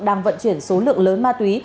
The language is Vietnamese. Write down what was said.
đang vận chuyển số lượng lớn ma túy